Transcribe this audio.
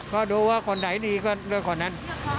ก็ดูว่าคนไหนดีก็ด้วยคนนั้น